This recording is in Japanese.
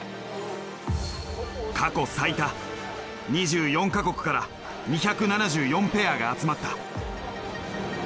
過去最多２４か国から２７４ペアが集まった。